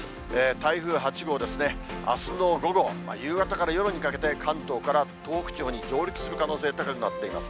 台風８号ですね、あすの午後、夕方から夜にかけて、関東から東北地方に上陸する可能性高くなっています。